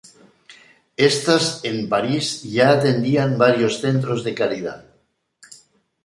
Estas es París, ya atendían varios centros de caridad.